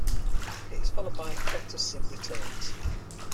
It is followed by "Doctor Syn Returns".